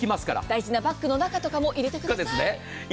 大事なバッグの方とかも入れてください。